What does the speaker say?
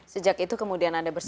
sejak itu kemudian ada bersebut